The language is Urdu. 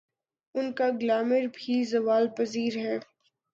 ان کا گلیمر بھی زوال پذیر ہے۔